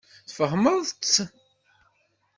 Tfehmeḍ-tt?